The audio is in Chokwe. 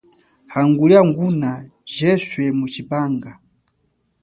Hangulia nguna yeswe mutshipanga.